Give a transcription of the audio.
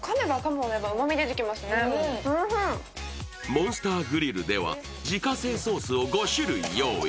モンスターグリルでは自家製ソースを５種類用意。